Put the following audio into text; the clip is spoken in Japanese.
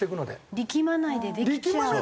力まないでできちゃう。